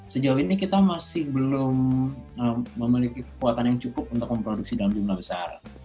sejauh ini kita masih belum memiliki kekuatan yang cukup untuk memproduksi dalam jumlah besar